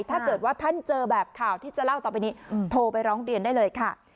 ถ้าเกิดว่าท่านเจอแบบข่าวที่จะเล่าต่อไปนี้โทรไปร้องเรียนได้เลยค่ะ